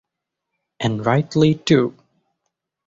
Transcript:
And rightly too.